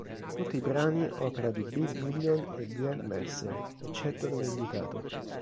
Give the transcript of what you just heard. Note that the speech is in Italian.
Tutti i brani opera di Bill Million e Glenn Mercer eccetto dove indicato.